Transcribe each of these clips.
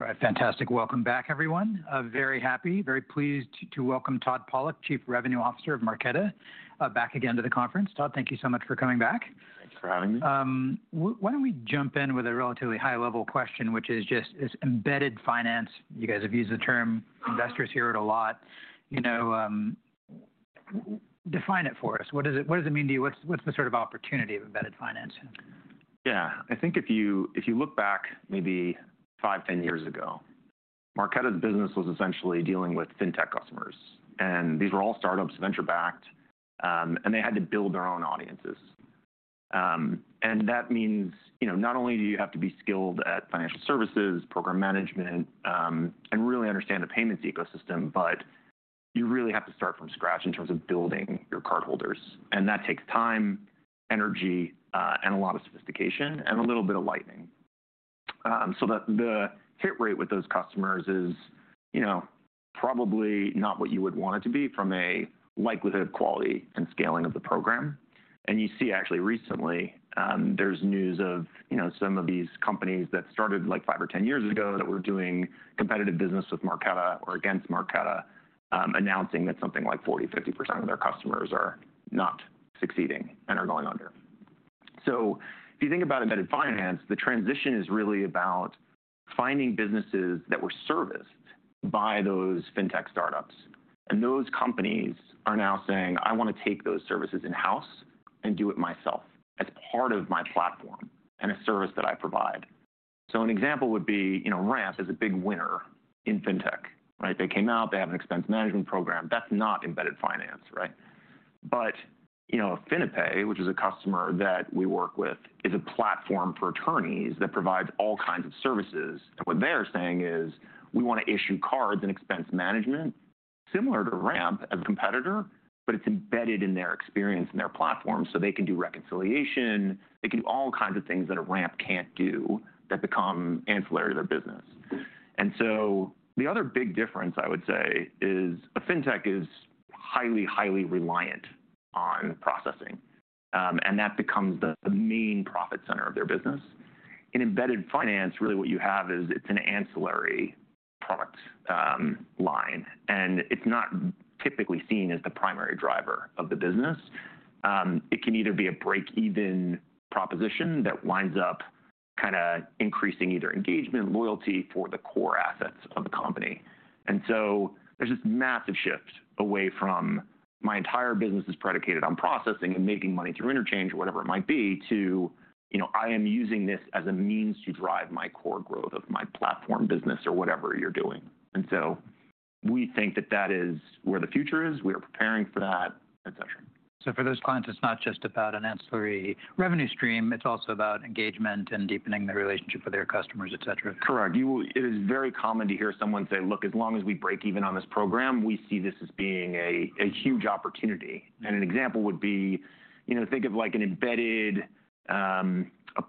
All right, fantastic. Welcome back, everyone. Very happy, very pleased to welcome Todd Pollak, Chief Revenue Officer of Marqeta, back again to the conference. Todd, thank you so much for coming back. Thanks for having me. Why don't we jump in with a relatively high-level question, which is just embedded finance? You guys have used the term, investors hear it a lot. Define it for us. What does it mean to you? What's the sort of opportunity of embedded finance? Yeah, I think if you look back maybe five, 10 years ago, Marqeta's business was essentially dealing with fintech customers. These were all startups, venture-backed, and they had to build their own audiences. That means not only do you have to be skilled at financial services, program management, and really understand the payments ecosystem, but you really have to start from scratch in terms of building your cardholders. That takes time, energy, and a lot of sophistication, and a little bit of lightning. The hit rate with those customers is probably not what you would want it to be from a likelihood, quality, and scaling of the program. You see, actually, recently, there is news of some of these companies that started like five or 10 years ago that were doing competitive business with Marqeta or against Marqeta, announcing that something like 40%, 30% of their customers are not succeeding and are going under. If you think about embedded finance, the transition is really about finding businesses that were serviced by those fintech startups. Those companies are now saying, "I want to take those services in-house and do it myself as part of my platform and a service that I provide." An example would be Ramp is a big winner in fintech. They came out, they have an expense management program. That is not embedded finance. Finipay, which is a customer that we work with, is a platform for attorneys that provides all kinds of services. What they're saying is, "We want to issue cards and expense management similar to Ramp as a competitor, but it's embedded in their experience and their platform so they can do reconciliation. They can do all kinds of things that a Ramp can't do that become ancillary to their business." The other big difference, I would say, is fintech is highly, highly reliant on processing. That becomes the main profit center of their business. In embedded finance, really what you have is it's an ancillary product line. It's not typically seen as the primary driver of the business. It can either be a break-even proposition that winds up kind of increasing either engagement, loyalty for the core assets of the company. There is this massive shift away from, "My entire business is predicated on processing and making money through interchange," or whatever it might be, to, "I am using this as a means to drive my core growth of my platform business," or whatever you are doing. We think that that is where the future is. We are preparing for that, et cetera. For those clients, it's not just about an ancillary revenue stream. It's also about engagement and deepening the relationship with their customers, et cetera. Correct. It is very common to hear someone say, "Look, as long as we break even on this program, we see this as being a huge opportunity." An example would be, think of an embedded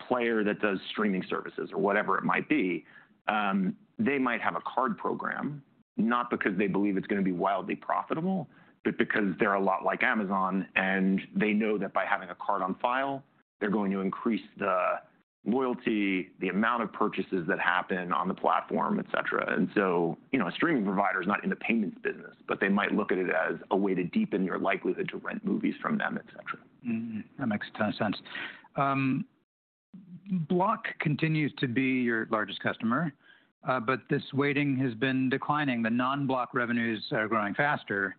player that does streaming services or whatever it might be. They might have a card program, not because they believe it is going to be wildly profitable, but because they are a lot like Amazon. They know that by having a card on file, they are going to increase the loyalty, the amount of purchases that happen on the platform, et cetera. A streaming provider is not in the payments business, but they might look at it as a way to deepen your likelihood to rent movies from them, et cetera. That makes a ton of sense. Block continues to be your largest customer, but this weighting has been declining. The non-Block revenues are growing faster.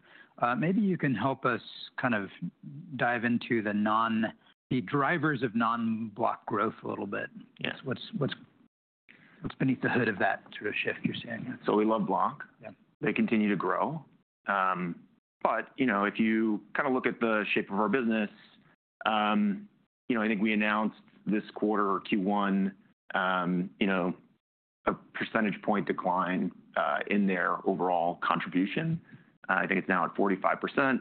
Maybe you can help us kind of dive into the drivers of non-Block growth a little bit. What's beneath the hood of that sort of shift you're seeing? We love Block. They continue to grow. If you kind of look at the shape of our business, I think we announced this quarter, Q1, a percentage-point decline in their overall contribution. I think it's now at 45%.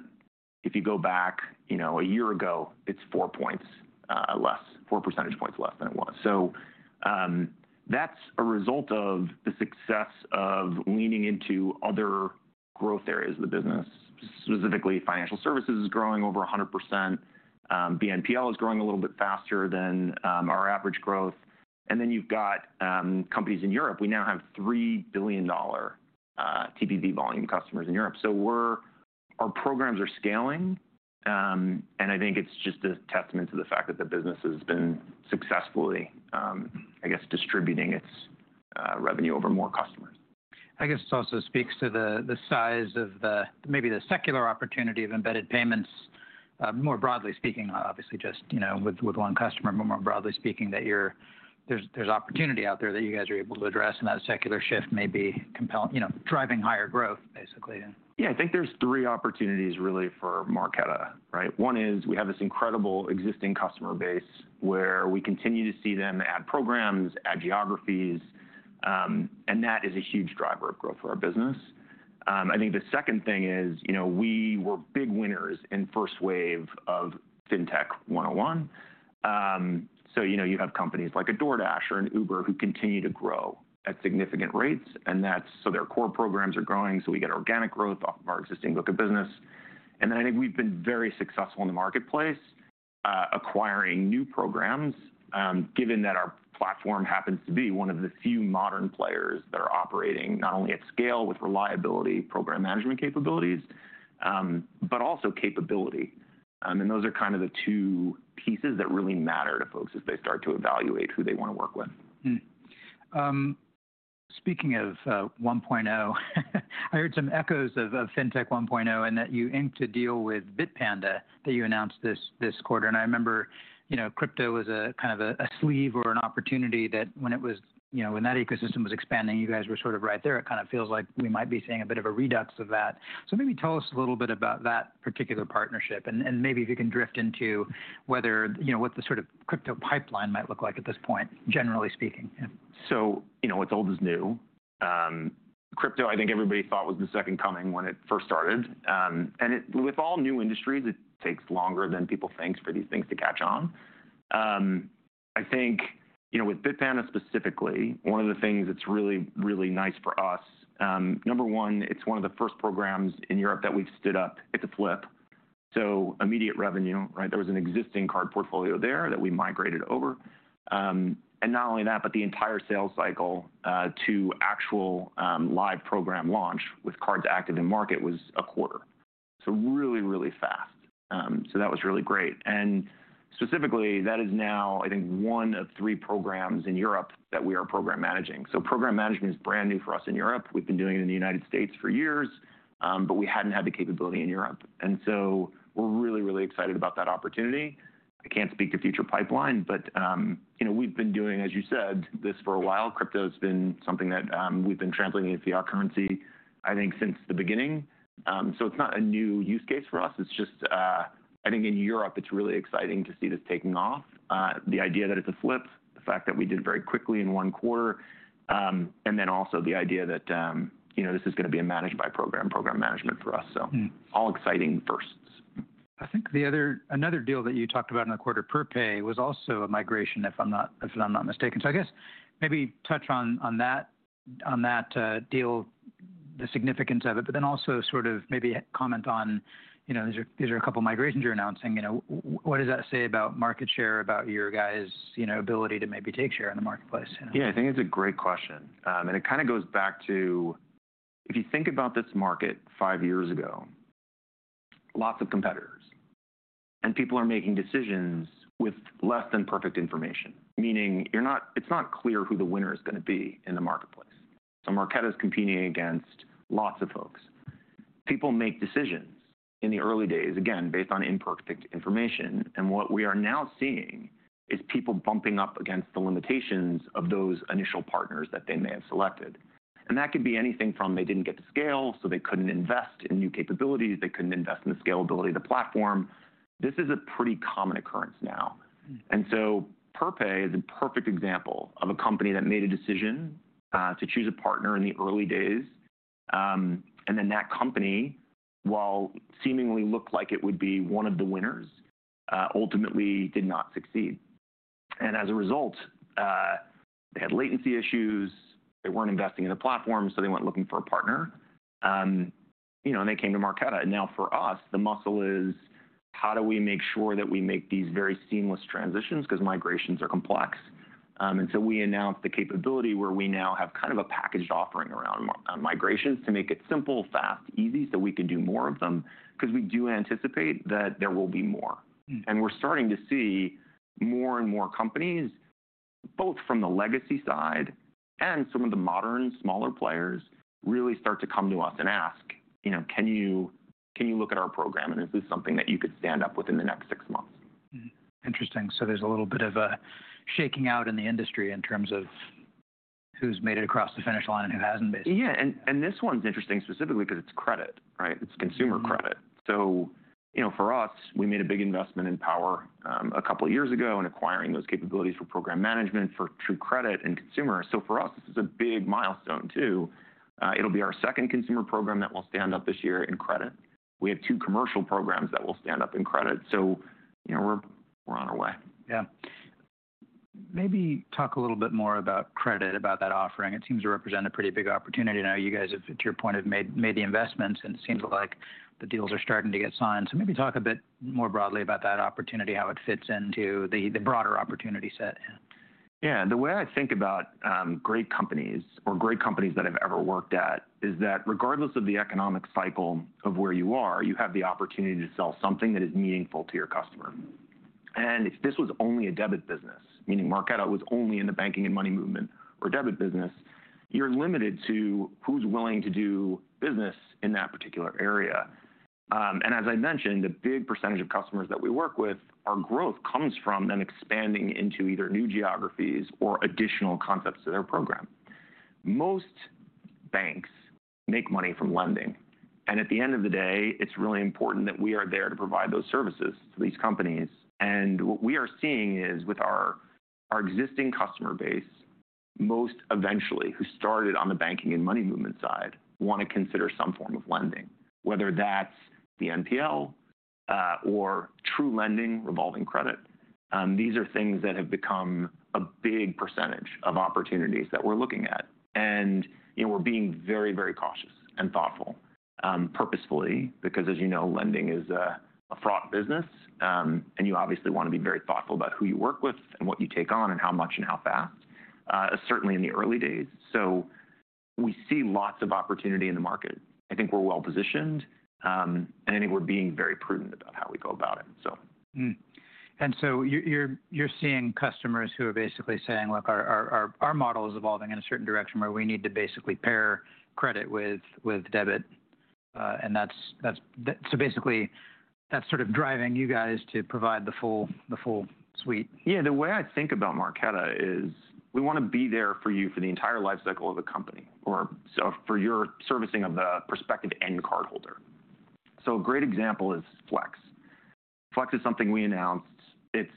If you go back a year ago, it's 4 percentage points less, 4 percentage points less than it was. That's a result of the success of leaning into other growth areas of the business, specifically financial services is growing over 100%. BNPL is growing a little bit faster than our average growth. Then you've got companies in Europe. We now have $3 billion TPV volume customers in Europe. Our programs are scaling. I think it's just a testament to the fact that the business has been successfully, I guess, distributing its revenue over more customers. I guess it also speaks to the size of maybe the secular opportunity of embedded payments, more broadly speaking, obviously, just with one customer, but more broadly speaking, that there's opportunity out there that you guys are able to address. That secular shift may be driving higher growth, basically. Yeah, I think there's three opportunities really for Marqeta. One is we have this incredible existing customer base where we continue to see them add programs, add geographies. That is a huge driver of growth for our business. I think the second thing is we were big winners in first wave of Fintech 101. You have companies like DoorDash or Uber who continue to grow at significant rates. Their core programs are growing. We get organic growth off of our existing book of business. I think we've been very successful in the marketplace acquiring new programs, given that our platform happens to be one of the few modern players that are operating not only at scale with reliability, program management capabilities, but also capability. Those are kind of the two pieces that really matter to folks as they start to evaluate who they want to work with. Speaking of 1.0, I heard some echoes of Fintech 1.0 and that you aim to deal with Bitpanda that you announced this quarter. I remember crypto was kind of a sleeve or an opportunity that when that ecosystem was expanding, you guys were sort of right there. It kind of feels like we might be seeing a bit of a redux of that. Maybe tell us a little bit about that particular partnership. Maybe if you can drift into what the sort of crypto pipeline might look like at this point, generally speaking. It's old is new. Crypto, I think everybody thought was the second coming when it first started. And with all new industries, it takes longer than people think for these things to catch on. I think with Bitpanda specifically, one of the things that's really, really nice for us, number one, it's one of the first programs in Europe that we've stood up. It's a flip. So immediate revenue. There was an existing card portfolio there that we migrated over. Not only that, but the entire sales cycle to actual live program launch with cards active in market was a quarter. Really, really fast. That was really great. Specifically, that is now, I think, one of 3 programs in Europe that we are program managing. Program management is brand new for us in Europe. We've been doing it in the United States for years, but we hadn't had the capability in Europe. We are really, really excited about that opportunity. I can't speak to future pipeline, but we've been doing, as you said, this for a while. Crypto has been something that we've been translating into our currency, I think, since the beginning. It is not a new use case for us. It is just, I think in Europe, it is really exciting to see this taking off. The idea that it is a flip, the fact that we did very quickly in one quarter, and then also the idea that this is going to be a managed by program, program management for us. All exciting firsts. I think another deal that you talked about in the quarter, Perpay, was also a migration, if I'm not mistaken. I guess maybe touch on that deal, the significance of it, but then also sort of maybe comment on these are a couple of migrations you're announcing. What does that say about market share, about your guys' ability to maybe take share in the marketplace? Yeah, I think it's a great question. It kind of goes back to if you think about this market five years ago, lots of competitors. People are making decisions with less than perfect information, meaning it's not clear who the winner is going to be in the marketplace. Marqeta is competing against lots of folks. People make decisions in the early days, again, based on imperfect information. What we are now seeing is people bumping up against the limitations of those initial partners that they may have selected. That could be anything from they did not get to scale, so they could not invest in new capabilities. They could not invest in the scalability of the platform. This is a pretty common occurrence now. Perpay is a perfect example of a company that made a decision to choose a partner in the early days. That company, while seemingly looked like it would be one of the winners, ultimately did not succeed. As a result, they had latency issues. They were not investing in the platform, so they went looking for a partner. They came to Marqeta. Now for us, the muscle is how do we make sure that we make these very seamless transitions because migrations are complex. We announced the capability where we now have kind of a packaged offering around migrations to make it simple, fast, easy so we can do more of them because we do anticipate that there will be more. We are starting to see more and more companies, both from the legacy side and some of the modern, smaller players, really start to come to us and ask, "Can you look at our program? Is this something that you could stand up within the next six months? Interesting. There is a little bit of a shaking out in the industry in terms of who has made it across the finish line and who has not, basically. Yeah. This one's interesting specifically because it's credit. It's consumer credit. For us, we made a big investment in Power a couple of years ago in acquiring those capabilities for program management for true credit and consumer. For us, this is a big milestone, too. It'll be our second consumer program that will stand up this year in credit. We have two commercial programs that will stand up in credit. We're on our way. Yeah. Maybe talk a little bit more about credit, about that offering. It seems to represent a pretty big opportunity. I know you guys, to your point, have made the investments. It seems like the deals are starting to get signed. Maybe talk a bit more broadly about that opportunity, how it fits into the broader opportunity set. Yeah. The way I think about great companies or great companies that I've ever worked at is that regardless of the economic cycle of where you are, you have the opportunity to sell something that is meaningful to your customer. If this was only a debit business, meaning Marqeta was only in the banking and money movement or debit business, you're limited to who's willing to do business in that particular area. As I mentioned, the big percentage of customers that we work with, our growth comes from them expanding into either new geographies or additional concepts to their program. Most banks make money from lending. At the end of the day, it's really important that we are there to provide those services to these companies. What we are seeing is with our existing customer base, most eventually who started on the banking and money movement side want to consider some form of lending, whether that's BNPL or true lending, revolving credit. These are things that have become a big percentage of opportunities that we're looking at. We are being very, very cautious and thoughtful purposefully because, as you know, lending is a fraught business. You obviously want to be very thoughtful about who you work with and what you take on and how much and how fast, certainly in the early days. We see lots of opportunity in the market. I think we're well positioned. I think we're being very prudent about how we go about it. You're seeing customers who are basically saying, "Look, our model is evolving in a certain direction where we need to basically pair credit with debit." That is sort of driving you guys to provide the full suite. Yeah. The way I think about Marqeta is we want to be there for you for the entire lifecycle of the company or for your servicing of the prospective end cardholder. A great example is Flex. Flex is something we announced. It's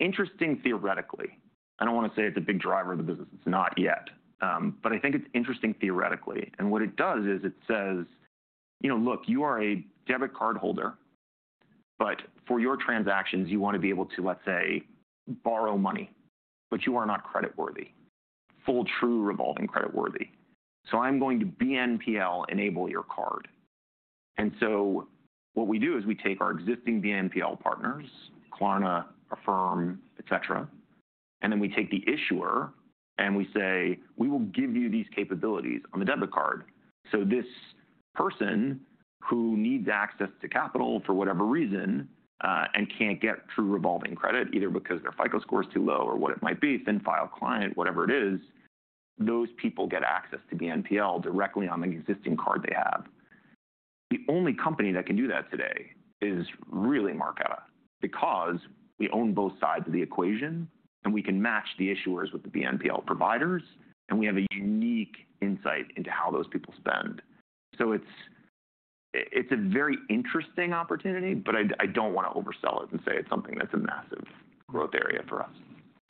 interesting theoretically. I don't want to say it's a big driver of the business. It's not yet. I think it's interesting theoretically. What it does is it says, "Look, you are a debit cardholder, but for your transactions, you want to be able to, let's say, borrow money, but you are not creditworthy, full true revolving creditworthy. I'm going to BNPL enable your card. What we do is we take our existing BNPL partners, Klarna, Affirm, et cetera, and then we take the issuer and we say, "We will give you these capabilities on the debit card." This person who needs access to capital for whatever reason and cannot get true revolving credit, either because their FICO score is too low or what it might be, thin file client, whatever it is, those people get access to BNPL directly on the existing card they have. The only company that can do that today is really Marqeta because we own both sides of the equation and we can match the issuers with the BNPL providers. We have a unique insight into how those people spend. It's a very interesting opportunity, but I don't want to oversell it and say it's something that's a massive growth area for us.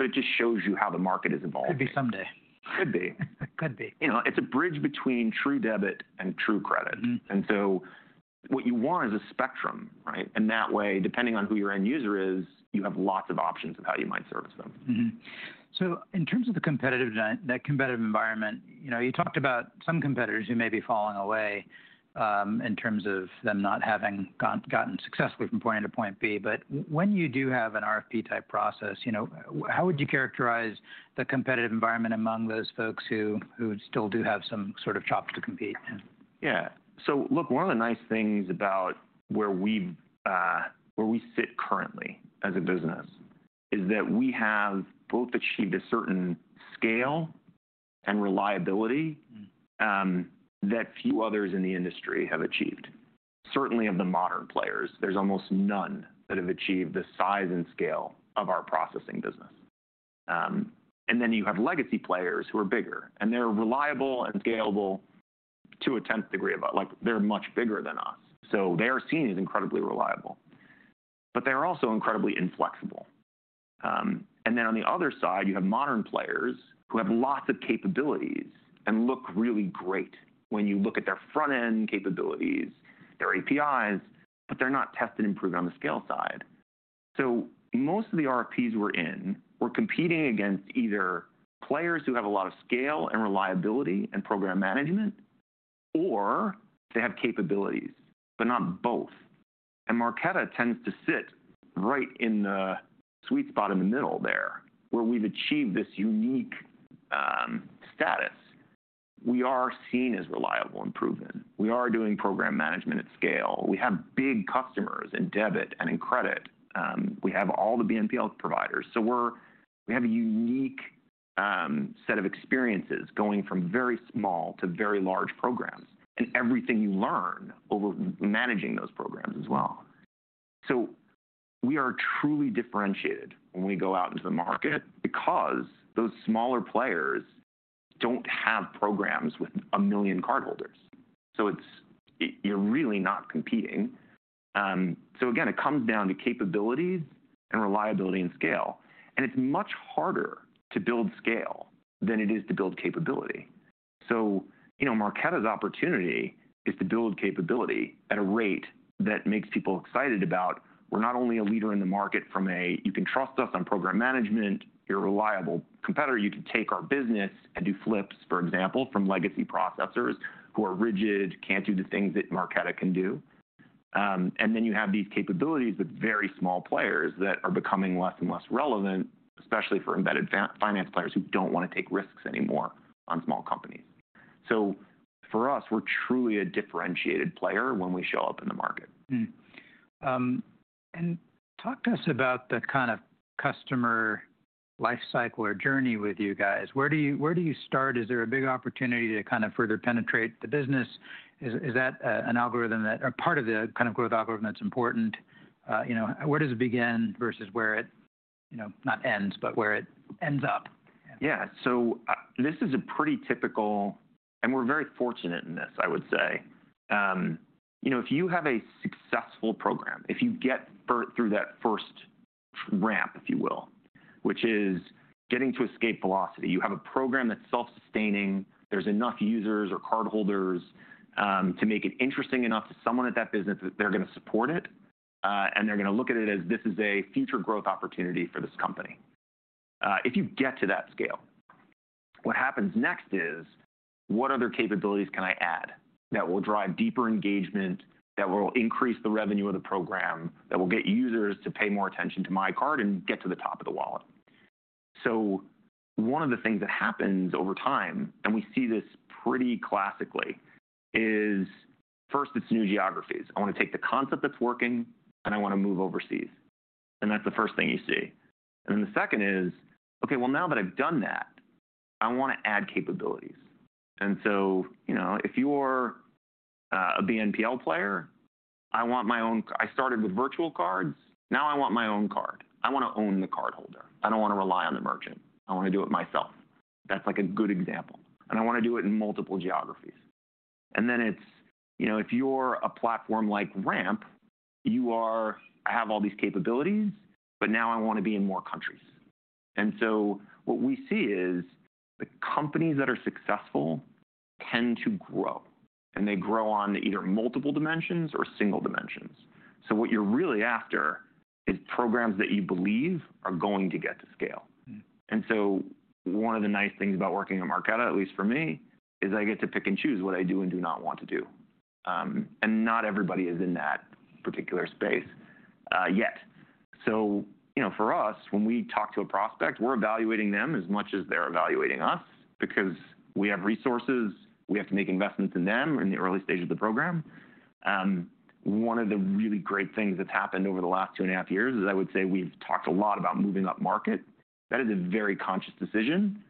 It just shows you how the market is evolving. Could be someday. Could be. Could be. It's a bridge between true debit and true credit. What you want is a spectrum. That way, depending on who your end user is, you have lots of options of how you might service them. In terms of that competitive environment, you talked about some competitors who may be falling away in terms of them not having gotten successfully from point A to point B. When you do have an RFP type process, how would you characterize the competitive environment among those folks who still do have some sort of chops to compete? Yeah. Look, one of the nice things about where we sit currently as a business is that we have both achieved a certain scale and reliability that few others in the industry have achieved, certainly of the modern players. There's almost none that have achieved the size and scale of our processing business. You have legacy players who are bigger. They are reliable and scalable to a tenth degree of they're much bigger than us. They are seen as incredibly reliable. They are also incredibly inflexible. On the other side, you have modern players who have lots of capabilities and look really great when you look at their front-end capabilities, their APIs, but they're not tested and proven on the scale side. Most of the RFPs we're in, we're competing against either players who have a lot of scale and reliability and program management, or they have capabilities, but not both. Marqeta tends to sit right in the sweet spot in the middle there where we've achieved this unique status. We are seen as reliable and proven. We are doing program management at scale. We have big customers in debit and in credit. We have all the BNPL providers. We have a unique set of experiences going from very small to very large programs. Everything you learn over managing those programs as well. We are truly differentiated when we go out into the market because those smaller players don't have programs with a million cardholders. You're really not competing. Again, it comes down to capabilities and reliability and scale. It is much harder to build scale than it is to build capability. Marqeta's opportunity is to build capability at a rate that makes people excited about it. We are not only a leader in the market from a, "You can trust us on program management. You are a reliable competitor. You can take our business and do flips," for example, from legacy processors who are rigid and cannot do the things that Marqeta can do. Then you have these capabilities with very small players that are becoming less and less relevant, especially for embedded finance players who do not want to take risks anymore on small companies. For us, we are truly a differentiated player when we show up in the market. Talk to us about the kind of customer lifecycle or journey with you guys. Where do you start? Is there a big opportunity to kind of further penetrate the business? Is that an algorithm that or part of the kind of growth algorithm that's important? Where does it begin versus where it not ends, but where it ends up? Yeah. This is a pretty typical, and we're very fortunate in this, I would say. If you have a successful program, if you get through that first ramp, if you will, which is getting to escape velocity, you have a program that's self-sustaining. There's enough users or cardholders to make it interesting enough to someone at that business that they're going to support it. They're going to look at it as, "This is a future growth opportunity for this company." If you get to that scale, what happens next is, what other capabilities can I add that will drive deeper engagement, that will increase the revenue of the program, that will get users to pay more attention to my card and get to the top of the wallet? One of the things that happens over time, and we see this pretty classically, is first, it's new geographies. I want to take the concept that's working, and I want to move overseas. That is the first thing you see. The second is, "Okay, now that I've done that, I want to add capabilities." If you're a BNPL player, I want my own—I started with virtual cards. Now I want my own card. I want to own the cardholder. I do not want to rely on the merchant. I want to do it myself. That is a good example. I want to do it in multiple geographies. If you're a platform like Ramp, you are, "I have all these capabilities, but now I want to be in more countries." What we see is the companies that are successful tend to grow. They grow on either multiple dimensions or single dimensions. What you're really after is programs that you believe are going to get to scale. One of the nice things about working at Marqeta, at least for me, is I get to pick and choose what I do and do not want to do. Not everybody is in that particular space yet. For us, when we talk to a prospect, we're evaluating them as much as they're evaluating us because we have resources. We have to make investments in them in the early stage of the program. One of the really great things that's happened over the last two and a half years is I would say we've talked a lot about moving up market. That is a very conscious decision.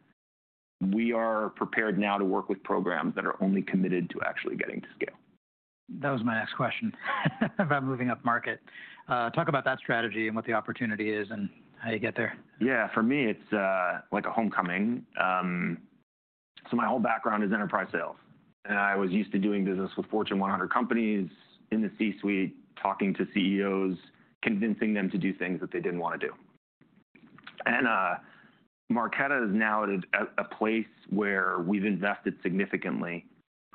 We are prepared now to work with programs that are only committed to actually getting to scale. That was my next question about moving up market. Talk about that strategy and what the opportunity is and how you get there. Yeah. For me, it's like a homecoming. My whole background is enterprise sales. I was used to doing business with Fortune 100 companies in the C-suite, talking to CEOs, convincing them to do things that they did not want to do. Marqeta is now at a place where we have invested significantly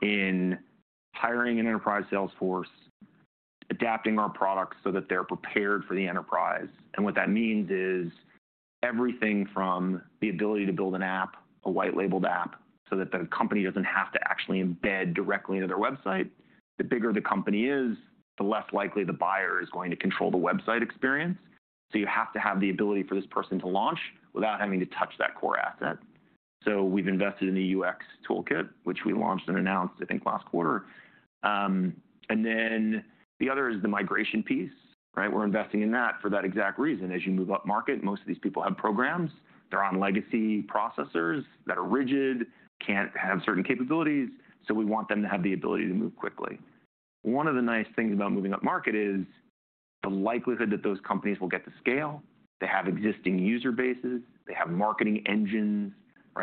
in hiring an enterprise sales force, adapting our products so that they are prepared for the enterprise. What that means is everything from the ability to build an app, a white-labeled app, so that the company does not have to actually embed directly into their website. The bigger the company is, the less likely the buyer is going to control the website experience. You have to have the ability for this person to launch without having to touch that core asset. We have invested in the UX toolkit, which we launched and announced, I think, last quarter. The other is the migration piece. We're investing in that for that exact reason. As you move up market, most of these people have programs. They're on legacy processors that are rigid, can't have certain capabilities. We want them to have the ability to move quickly. One of the nice things about moving up market is the likelihood that those companies will get to scale. They have existing user bases. They have marketing engines.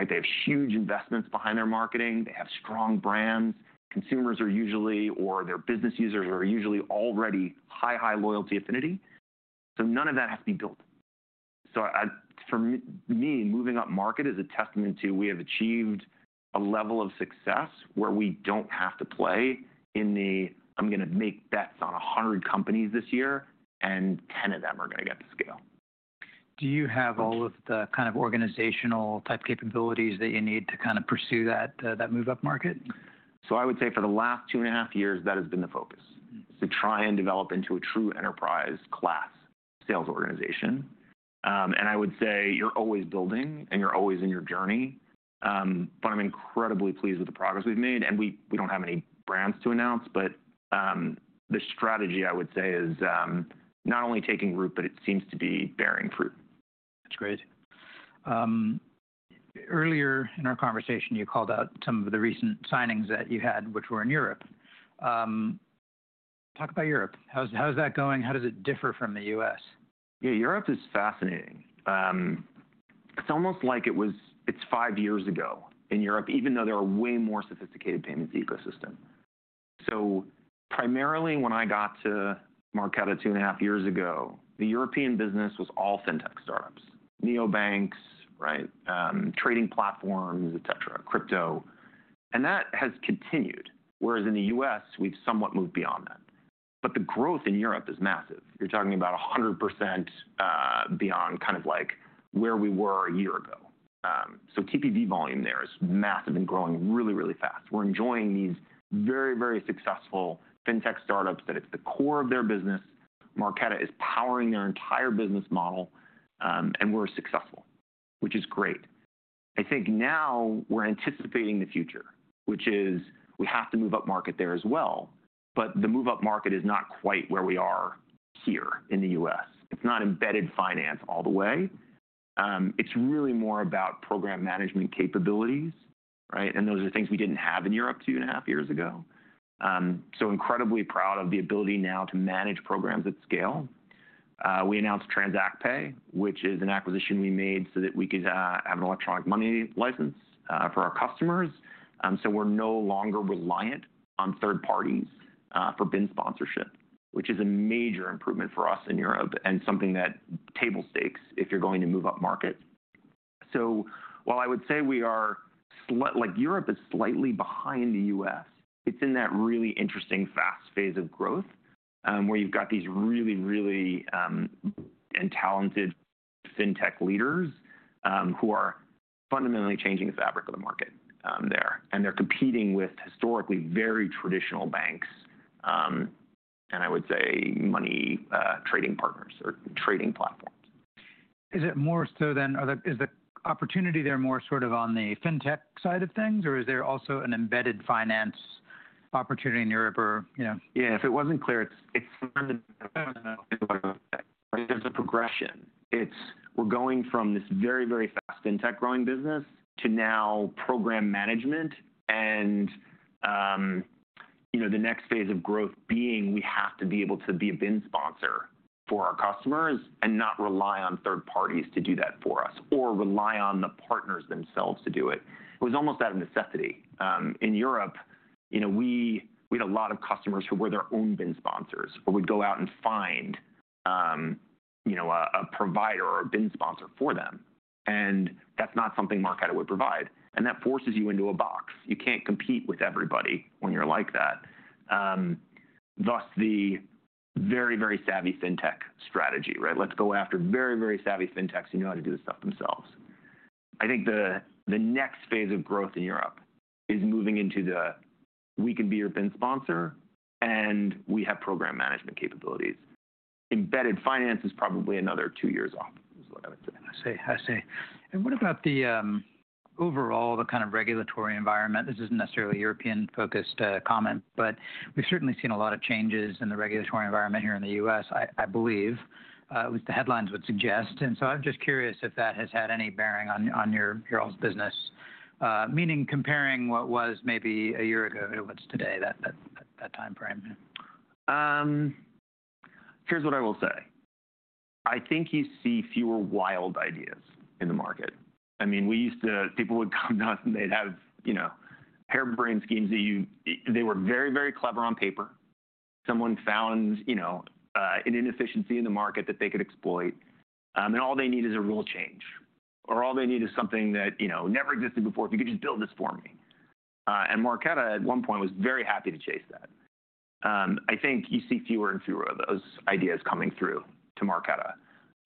They have huge investments behind their marketing. They have strong brands. Consumers are usually, or their business users are usually already high, high loyalty affinity. None of that has to be built. For me, moving up market is a testament to we have achieved a level of success where we do not have to play in the, "I am going to make bets on 100 companies this year, and 10 of them are going to get to scale. Do you have all of the kind of organizational type capabilities that you need to kind of pursue that move up market? I would say for the last two and a half years, that has been the focus, is to try and develop into a true enterprise class sales organization. I would say you're always building, and you're always in your journey. I'm incredibly pleased with the progress we've made. We don't have any brands to announce, but the strategy, I would say, is not only taking root, but it seems to be bearing fruit. That's great. Earlier in our conversation, you called out some of the recent signings that you had, which were in Europe. Talk about Europe. How's that going? How does it differ from the U.S.? Yeah. Europe is fascinating. It's almost like it was, it's five years ago in Europe, even though there are way more sophisticated payments ecosystem. So primarily, when I got to Marqeta two and a half years ago, the European business was all fintech startups, neobanks, trading platforms, et cetera, crypto. And that has continued. Whereas in the U.S., we've somewhat moved beyond that. The growth in Europe is massive. You're talking about 100% beyond kind of like where we were a year ago. TPV volume there is massive and growing really, really fast. We're enjoying these very, very successful fintech startups that it's the core of their business. Marqeta is powering their entire business model, and we're successful, which is great. I think now we're anticipating the future, which is we have to move up market there as well. The move up market is not quite where we are here in the U.S. It's not embedded finance all the way. It's really more about program management capabilities. Those are things we did not have in Europe two and a half years ago. Incredibly proud of the ability now to manage programs at scale. We announced TransactPay, which is an acquisition we made so that we could have an electronic money license for our customers. We are no longer reliant on third parties for BIN sponsorship, which is a major improvement for us in Europe and something that is table stakes if you are going to move up market. While I would say we are, like, Europe is slightly behind the U.S., it is in that really interesting fast phase of growth where you have got these really, really talented fintech leaders who are fundamentally changing the fabric of the market there. They are competing with historically very traditional banks and, I would say, money trading partners or trading platforms. Is it more so than is the opportunity there more sort of on the fintech side of things, or is there also an embedded finance opportunity in Europe? Yeah. If it wasn't clear, it's fundamentally more of a progression. We're going from this very, very fast fintech growing business to now program management. The next phase of growth being we have to be able to be a BIN sponsor for our customers and not rely on third parties to do that for us or rely on the partners themselves to do it. It was almost out of necessity. In Europe, we had a lot of customers who were their own BIN sponsors or would go out and find a provider or a BIN sponsor for them. That's not something Marqeta would provide. That forces you into a box. You can't compete with everybody when you're like that. Thus, the very, very savvy fintech strategy, right? Let's go after very, very savvy fintechs who know how to do this stuff themselves. I think the next phase of growth in Europe is moving into the, "We can be your BIN sponsor, and we have program management capabilities." Embedded finance is probably another two years off is what I would say. I see. I see. What about the overall, the kind of regulatory environment? This is not necessarily a European-focused comment, but we have certainly seen a lot of changes in the regulatory environment here in the U.S., I believe, at least the headlines would suggest. I am just curious if that has had any bearing on your all's business, meaning comparing what was maybe a year ago to what is today, that time frame. Here's what I will say. I think you see fewer wild ideas in the market. I mean, we used to, people would come to us, and they'd have parent-of-brain schemes that they were very, very clever on paper. Someone found an inefficiency in the market that they could exploit. All they need is a rule change, or all they need is something that never existed before, if you could just build this for me. And Marqeta, at one point, was very happy to chase that. I think you see fewer and fewer of those ideas coming through to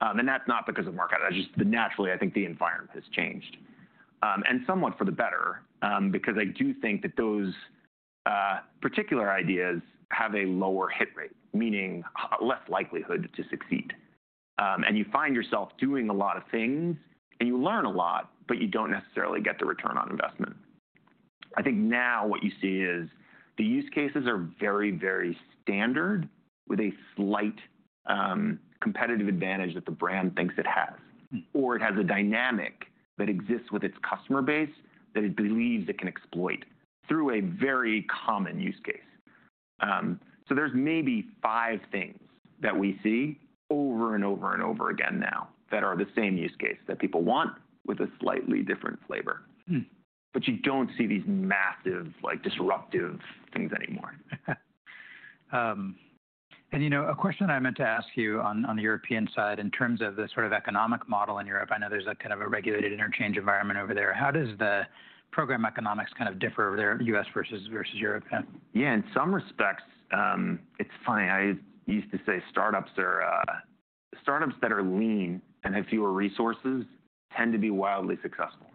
Marqeta. That's not because of Marqeta. That's just naturally, I think the environment has changed. Somewhat for the better, because I do think that those particular ideas have a lower hit rate, meaning less likelihood to succeed. You find yourself doing a lot of things, and you learn a lot, but you do not necessarily get the return on investment. I think now what you see is the use cases are very, very standard with a slight competitive advantage that the brand thinks it has, or it has a dynamic that exists with its customer base that it believes it can exploit through a very common use case. There are maybe five things that we see over and over and over again now that are the same use case that people want with a slightly different flavor. You do not see these massive disruptive things anymore. A question I meant to ask you on the European side in terms of the sort of economic model in Europe. I know there's a kind of a regulated interchange environment over there. How does the program economics kind of differ over there, US versus Europe? Yeah. In some respects, it's funny. I used to say startups that are lean and have fewer resources tend to be wildly successful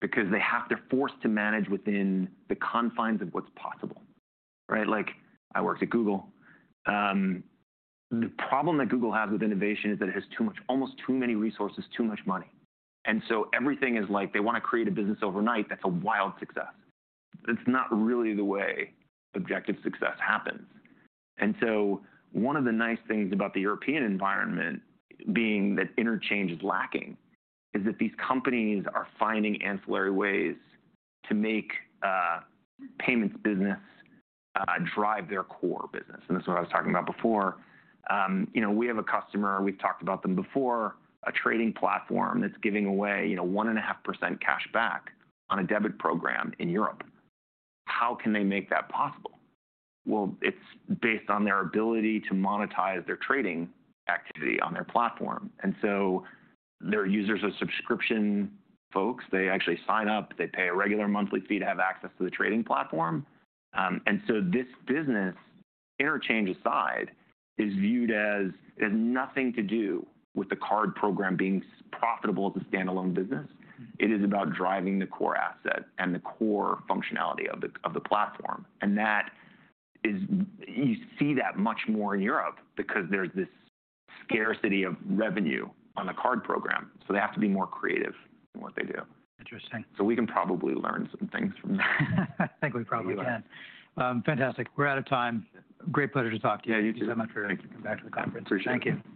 because they have to force to manage within the confines of what's possible. Like I worked at Google. The problem that Google has with innovation is that it has almost too many resources, too much money. Everything is like they want to create a business overnight that's a wild success. It's not really the way objective success happens. One of the nice things about the European environment, being that interchange is lacking, is that these companies are finding ancillary ways to make payments business drive their core business. This is what I was talking about before. We have a customer, we've talked about them before, a trading platform that's giving away 1.5% cash back on a debit program in Europe. How can they make that possible? It is based on their ability to monetize their trading activity on their platform. Their users are subscription folks. They actually sign up. They pay a regular monthly fee to have access to the trading platform. This business, interchange aside, is viewed as it has nothing to do with the card program being profitable as a standalone business. It is about driving the core asset and the core functionality of the platform. You see that much more in Europe because there is this scarcity of revenue on the card program. They have to be more creative in what they do. Interesting. We can probably learn some things from that. I think we probably can. Fantastic. We're out of time. Great pleasure to talk to you. Yeah. You too. Thank you so much for coming back to the conference. Appreciate it. Thank you.